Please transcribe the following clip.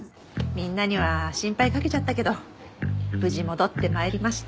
みんなには心配かけちゃったけど無事戻って参りました。